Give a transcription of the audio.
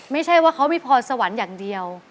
ไม่ใช่ว่าเขามีพรสวรรค์อย่างเดียว